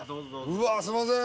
Δ錙すいません！